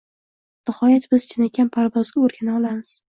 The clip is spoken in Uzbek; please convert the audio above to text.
Nihoyat biz chinakam parvozga o‘rgana olamiz!»